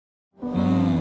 うん。